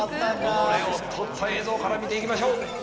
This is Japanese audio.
己を撮った映像から見ていきましょう。